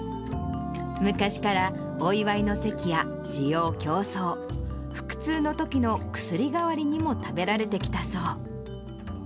昔から、お祝いの席や滋養強壮、腹痛のときの薬代わりにも食べられてきたそう。